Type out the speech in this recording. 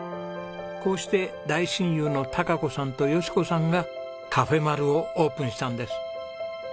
こうして大親友の貴子さんと佳子さんがカフェまる。をオープンしたんです。